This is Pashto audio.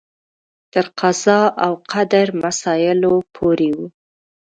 تر قضا او قدر مسایلو پورې و.